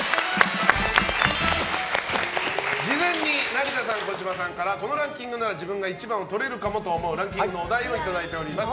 事前に成田さんと小芝さんからこのランキングなら自分が１番をとれるかもと思うランキングのお題をいただいております。